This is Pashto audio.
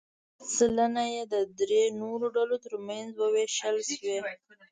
سلنه یې د درې نورو ډلو ترمنځ ووېشل شوې.